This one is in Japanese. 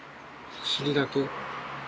お尻だけ。